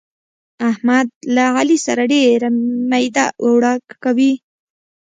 احمد له علي سره ډېر ميده اوړه کوي.